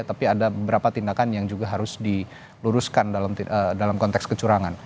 tapi ada beberapa tindakan yang juga harus diluruskan dalam konteks kecurangan